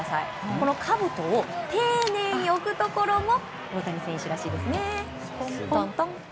このかぶとを丁寧に置くところも大谷選手らしいですね。